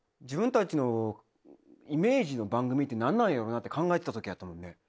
自分たちのイメージの番組って何なんやろなって考えてたときやったもんね。